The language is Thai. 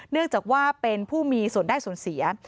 เนื่องจากว่าเป็นผู้มีศูนย์ได้ศูนย์เสีย